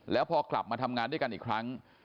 แล้วพอกลับมาทำงานด้วยกันอีกครั้ง